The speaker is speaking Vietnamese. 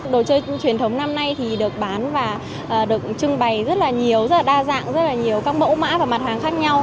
đồ chơi truyền thống năm nay thì được bán và được trưng bày rất là nhiều rất là đa dạng rất là nhiều các mẫu mã và mặt hàng khác nhau